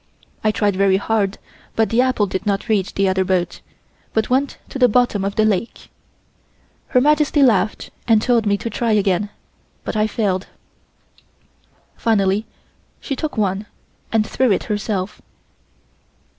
I tried very hard, but the apple did not reach the other boat, but went to the bottom of the lake. Her Majesty laughed and told me to try again, but I failed. Finally, she took one and threw it herself.